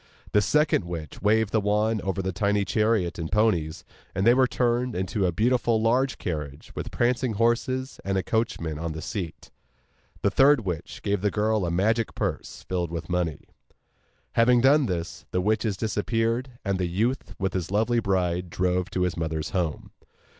The second witch waved the wand over the tiny chariot and ponies, and they were turned into a beautiful large carriage with prancing horses, and a coachman on the seat. The third witch gave the girl a magic purse, filled with money. Having done this, the witches disappeared, and the youth with his lovely bride drove to his mother's home.